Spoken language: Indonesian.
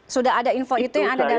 sudah ada info itu yang anda dapat